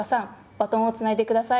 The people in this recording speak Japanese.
バトンをつないで下さい。